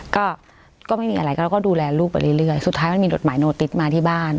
ก็ก็ไม่มีอะไรก็เราก็ดูแลลูกไปเรื่อยสุดท้ายมันมีหดหมายโนติสมาที่บ้าน